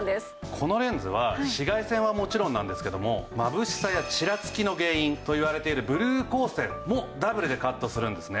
このレンズは紫外線はもちろんなんですけどもまぶしさやちらつきの原因といわれているブルー光線もダブルでカットするんですね。